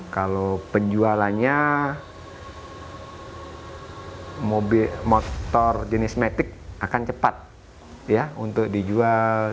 kalau penjualannya motor jenis matic akan cepat untuk dijual